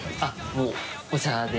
もうお茶で。